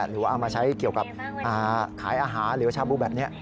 หรือว่าเอามาใช้เกี่ยวกับขายอาหารหรือว่าชาบูแบบนี้